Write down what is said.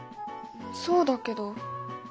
そうだけど。